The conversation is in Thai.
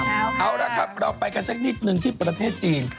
สำนักนำครับครับเราไปกันแสดงนิดหนึ่งที่ประเทศจีน